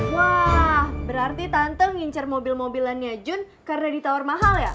wah berarti tante ngincar mobil mobilannya jun karena ditawar mahal ya